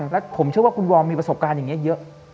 แล้วผมเชื่อว่าคุณวอร์มมีประสบการณ์อย่างนี้เยอะ